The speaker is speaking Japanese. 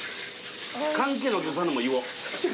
関係ないお客さんのも言おう。